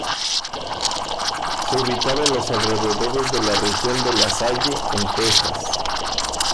Se ubicaba en los alrededores de la región de La Salle, en Texas.